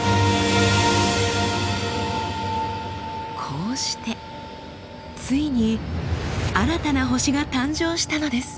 こうしてついに新たな星が誕生したのです。